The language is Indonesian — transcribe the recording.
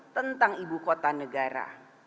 tentang ibu kota negara